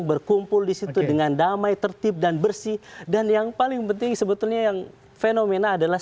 berkumpul disitu dengan damai tertib dan bersih dan yang paling penting sebetulnya yang fenomena adalah